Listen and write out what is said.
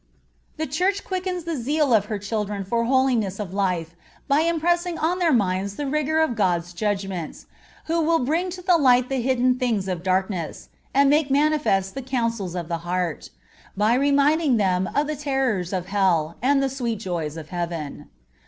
The Church quickens the zeal of her children for holiness of life by impressing on their minds the rigor of God's judgments, who "will bring to light the hidden things of darkness, and make manifest the counsels of the hearts," by reminding them of the terrors of Hell and of the sweet joys of Heaven.